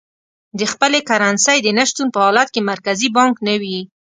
د خپلې کرنسۍ د نه شتون په حالت کې مرکزي بانک نه وي.